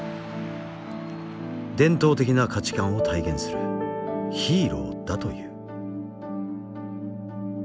伝統的な価値観を体現するヒーローだという。